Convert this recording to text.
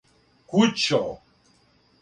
Кућо!